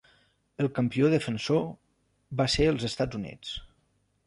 El campió defensor va ser els Estats Units.